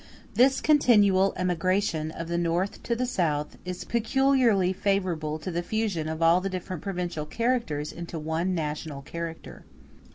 This continual emigration of the North to the South is peculiarly favorable to the fusion of all the different provincial characters into one national character.